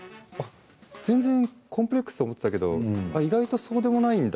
全然コンプレックスと思っていたけど意外とそうでもないんだ。